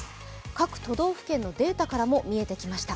各都道府県のデータからも見えてきました。